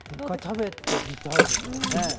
１回、食べてみたいですね。